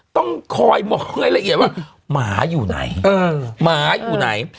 ต้องคอยมองให้ละเอียดว่าหมาอยู่ไหนหมาอยู่ไหน